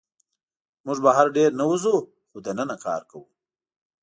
موږ بهر ډېر نه وځو، خو دننه کار کوو.